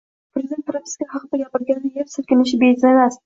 Prezident propiska haqida gapirganda yer silkinishi bejiz emas